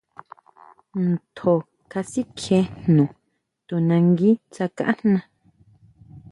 Ntjo kasikjie jno, to nangui tsákajna.